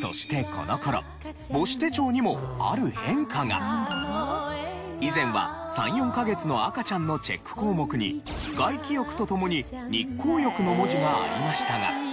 そしてこの頃以前は３４カ月の赤ちゃんのチェック項目に外気浴と共に日光浴の文字がありましたが。